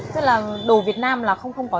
thế là đồ việt nam là không có